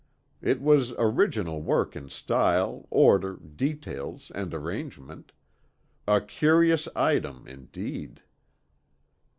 It was original work in style, order, details and arrangement; "a curious item" indeed!